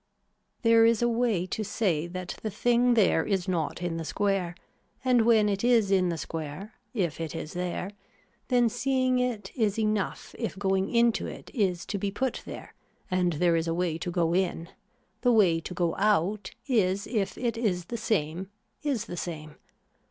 There is a way to say that the thing there is not in the square and when it is in the square if it is there then seeing it is enough if going into it is to be put there and there is a way to go in, the way to go out is if it is the same is the same.